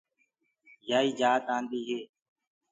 يائيٚ جآت آنٚديٚ هي۔